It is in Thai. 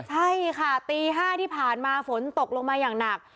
ใช่ค่ะตี๕ที่ผ่านมาฝนตกลงมาอย่างหนัก